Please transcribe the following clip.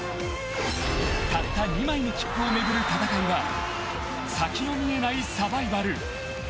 たった２枚の切符を巡る戦いは先の見えないサバイバル。